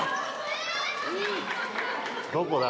どこだ？